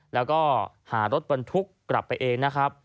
แล้วก็หารถบันทุกข์กลับไปเองนะฮะ